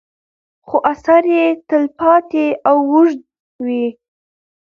خو اثر یې تل پاتې او اوږد وي.